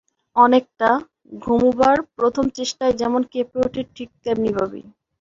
অনেকটা, ঘুমুবার প্রথম চেষ্টায় যেমন কেঁপে ওঠে ঠিক তেমনিভাবেই।